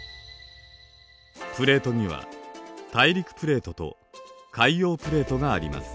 プレートには大陸プレートと海洋プレートがあります。